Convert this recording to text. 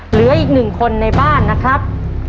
เหลืออีกหนึ่งคนในบ้านนะครับ